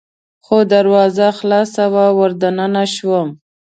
خو دروازه خلاصه وه، ور دننه شوم.